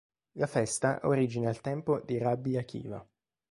La festa ha origine al tempo di Rabbi Akiva.